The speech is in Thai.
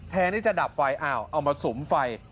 แทนที่จะดับไฟอ้าวเอามาสุมไฟ